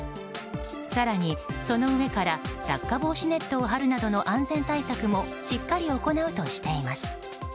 更にその上から落下防止ネットを張るなどの安全対策もしっかり行うとしています。